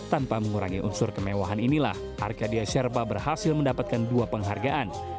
tanpa mengurangi unsur kemewahan inilah arcadia sherpa berhasil mendapatkan dua penghargaan